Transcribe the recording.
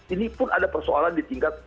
ini pun ada persoalan di tingkat